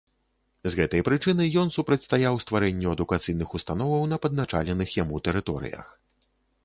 З гэтай прычыны ён супрацьстаяў стварэнню адукацыйных установаў на падначаленых яму тэрыторыях.